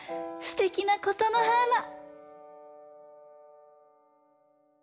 すてきなことのはーな！